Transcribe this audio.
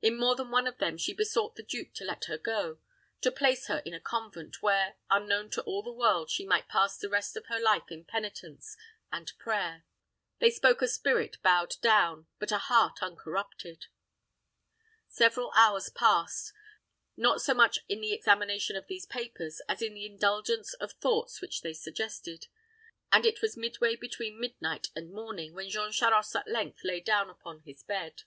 In more than one of them, she besought the duke to let her go to place her in a convent, where, unknown to all the world, she might pass the rest of life in penitence and prayer. They spoke a spirit bowed down, but a heart uncorrupted. Several hours passed; not so much in the examination of these papers, as in the indulgence of thoughts which they suggested; and it was midway between midnight and morning when Jean Charost at length lay down upon his bed.